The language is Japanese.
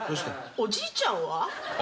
おじいちゃん！